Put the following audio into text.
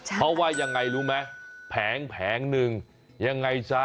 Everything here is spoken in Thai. เพราะว่ายังไงรู้ไหมแผงหนึ่งยังไงซะ